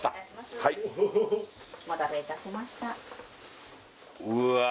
はいお待たせいたしましたうわ